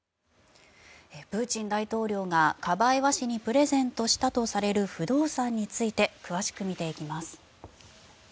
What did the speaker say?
プーチン大統領がカバエワ氏にプレゼントしたとされる不動産について詳しく見ていきます。